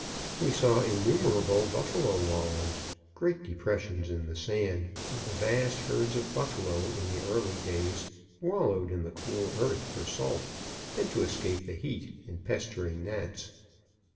We saw innumerable buffalo wallows, great depressions in the sand where the vast herds of buffalo in the early days wallowed in the cool earth for salt, and to escape the heat and pestering gnats.